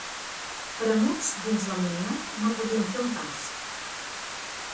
Premuts dins la munió, no podíem fer un pas.